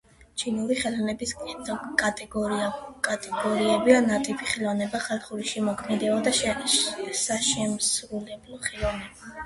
ჩინური ხელოვნების კატეგორიებია ნატიფი ხელოვნება, ხალხური შემოქმედება და საშემსრულებლო ხელოვნება.